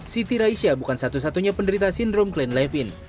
siti raisyah bukan satu satunya penderita sindrom klein levin